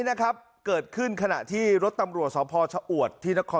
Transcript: นะครับเกิดขึ้นขณะที่รถตำรวจสพชะอวดที่นคร